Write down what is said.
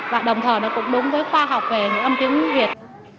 và đồng thời nó cũng đúng với khoa học về những âm tiếng việt